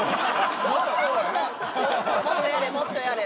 もっとやれもっとやれ。